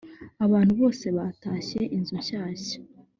abantu bose batashye i inzu nshyashya.